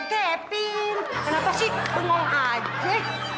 kevin kenapa sih ngomong aja